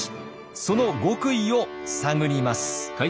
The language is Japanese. その極意を探ります。